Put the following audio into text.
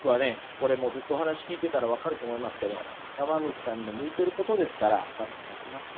これもうずっとお話聞いてたら分かると思いますけどたま虫さんの向いてることですから多分描きますね。